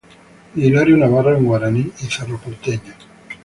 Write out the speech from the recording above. Y Hilario Navarro en Guaraní y Cerro Porteño.